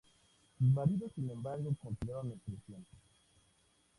Sus maridos, sin embargo, continuaron en prisión.